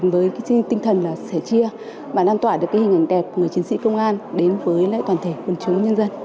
với cái tinh thần là sẻ chia mà làm tỏa được cái hình ảnh đẹp của người chiến sĩ công an đến với lại toàn thể quân chống nhân dân